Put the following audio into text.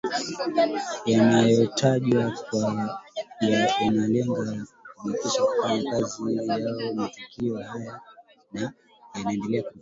yanatajwa kuwa yanalengo la kuwatisha kufanya kazi yao matukio hayo na yameendelea kuripotiwa